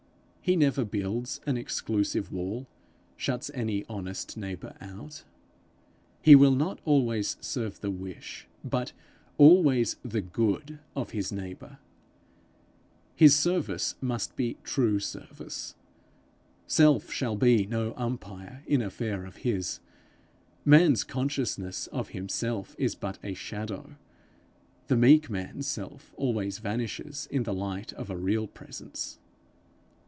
He never builds an exclusive wall, shuts any honest neighbour out. He will not always serve the wish, but always the good of his neighbour. His service must be true service. Self shall be no umpire in affair of his. Man's consciousness of himself is but a shadow: the meek man's self always vanishes in the light of a real presence.